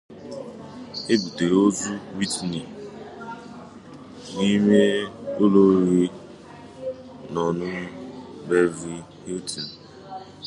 E butere ozu Whitney n’ime ụlọ oriri n’ọñụñụ Beverly Hilton.